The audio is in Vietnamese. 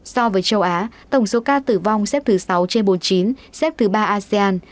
so với châu á tổng số ca tử vong xếp thứ sáu trên bốn mươi chín xếp thứ ba asean